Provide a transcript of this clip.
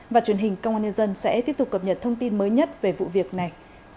và truyền hình công an nhân dân sẽ tiếp tục cập nhật thông tin mới nhất về vụ việc này